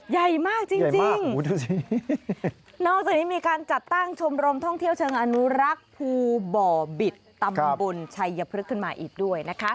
ใหญ่มากจริงนอกจากนี้มีการจัดตั้งชมรมท่องเที่ยวเชิงอนุรักษ์ภูบ่อบิตตำบลชัยพฤกษ์ขึ้นมาอีกด้วยนะคะ